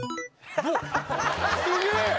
すげえ！